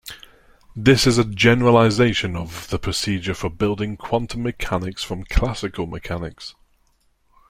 This is a generalization of the procedure for building quantum mechanics from classical mechanics.